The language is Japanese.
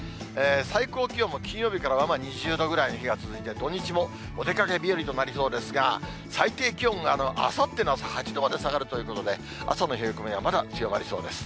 最高気温も金曜日から２０度ぐらいの日が続いて、土日もお出かけ日和となりそうですが、最低気温があさっての朝、８度まで下がるということで、朝の冷え込みはまだ強まりそうです。